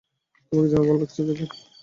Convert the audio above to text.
তোমাকে জেনে ভাল্লাগলো, জ্যাকব!